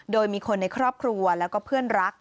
โดยมีคนในครอบครัวแล้วก็เพื่อนรัก